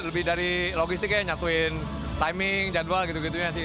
cuma lebih dari logistiknya nyatuin timing jadwal gitu gitunya sih